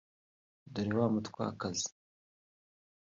dore wa mutwakazi